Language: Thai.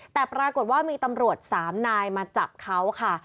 แต่ปรากฏว่ามีตำรวจ๓นายมาจับเขาค่ะ